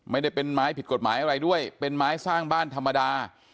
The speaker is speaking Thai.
ไม่ได้เป็นไม้ผิดกฎหมายอะไรด้วยเป็นไม้สร้างบ้านธรรมดา